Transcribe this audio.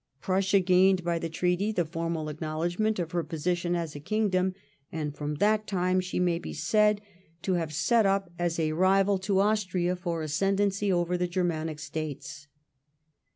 Prussia gained by the treaty the formal acknowledgment of her position as a kingdom, and from that time she may be said to have set up as a rival to Austria for ascendency over the Germanic States.